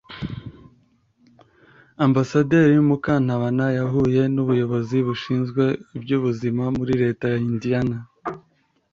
Ambasaderi Mukantabana yahuye n’ubuyobozi bushinzwe iby’ubuzima muri Leta ya Indiana